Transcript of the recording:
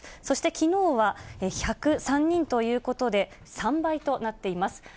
そしてきのうは１０３人ということで、３倍となっています。